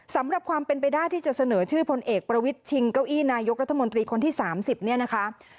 สำหรับความเป็นไปได้ที่จะเสนอชื่อพลเอกประวิทย์ชิงเก้าอี้นายกรัฐมนตรีคนที่๓๐เนี่ยนะคะ